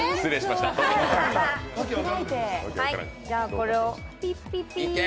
これをピッピッピ！